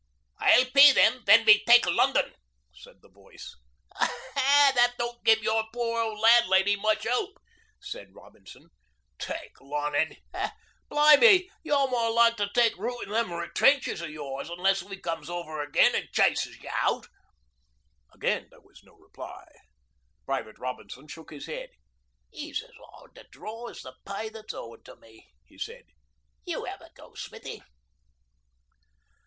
'I'll pay them when we take London,' said the voice. 'That don't give your pore ol' landlady much 'ope,' said Robinson. 'Take Lunnon! Blimy, you're more like to take root in them trenches o' yours unless we comes over again an' chases you out.' Again there was no reply. Private Robinson shook his head. ''E's as 'ard to draw as the pay that's owin' to me,' he said. 'You 'ave a go, Smithy.'